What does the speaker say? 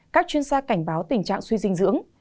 các chuyên gia cảnh báo tình trạng suy dinh dưỡng